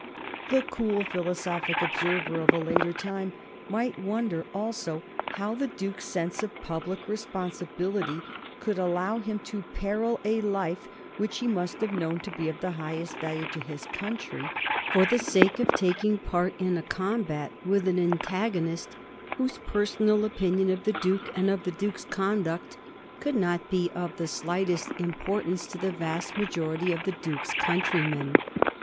The cool, philosophic observer of a later time might wonder also how the Duke's sense of public responsibility could allow him to peril a life which he must have known to be of the highest value to his country, for the sake of taking part in a combat with an antagonist whose personal opinion of the Duke and of the Duke's conduct could not be of the slightest importance to the vast majority of the Duke's countrymen.